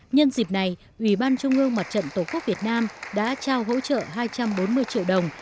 nhân dịp này ủy ban trung ương mặt trận tổ quốc việt nam đã trao hỗ trợ hai trăm bốn mươi triệu đồng